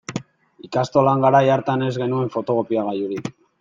Ikastolan garai hartan ez genuen fotokopiagailurik.